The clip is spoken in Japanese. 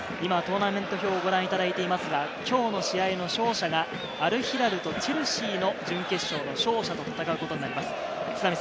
トーナメント表をご覧いただいていますが、今日の試合の勝者がアルヒラルとチェルシーの準決勝の勝者と戦うことになります。